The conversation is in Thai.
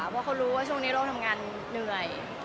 เพราะเขารู้ว่าช่วงนี้เราทำงานเหนื่อย